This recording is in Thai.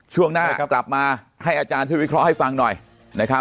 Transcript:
ช่วงหน้ากลับมาให้อาจารย์ช่วยวิเคราะห์ให้ฟังหน่อยนะครับ